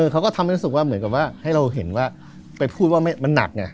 เขาก็ทำให้รู้สึกว่าเหมือนกับว่าให้เราเห็นว่าไปพูดว่ามันหนักไง